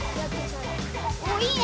おいいね！